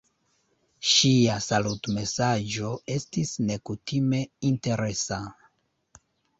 Ŝia salutmesaĝo estis nekutime interesa.